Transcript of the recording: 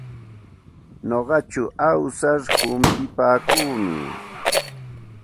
Nuqaku awsar humpipaakuumi.